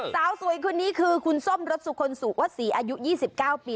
สาวสวยคนนี้คือคุณส้มรสสุคลสุวศรีอายุ๒๙ปี